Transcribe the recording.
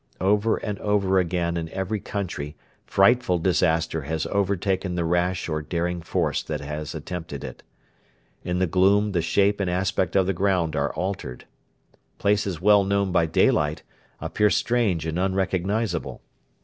Over and over again in every country frightful disaster has overtaken the rash or daring force that has attempted it. In the gloom the shape and aspect of the ground are altered. Places well known by daylight appear strange and unrecognisable.